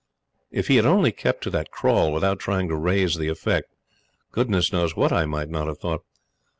If he had only kept to that crawl without trying to raise the effect, goodness knows what I might not have thought.